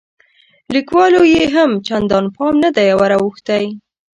لیکوالو یې هم چندان پام نه دی وراوښتی.